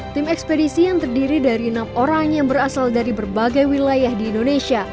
tim ekspedisi yang terdiri dari enam orang yang berasal dari berbagai wilayah di indonesia